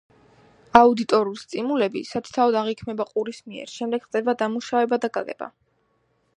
აუდიტორული სტიმულები სათითაოდ აღიქმება ყურის მიერ, შემდეგ ხდება დამუშავება და გაგება.